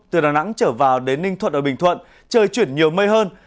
từ đà nẵng trở vào đến ninh thuận ở bình thuận trời chuyển nhiều mây hơn